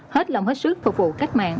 hết lòng hết sức phục vụ cách mạng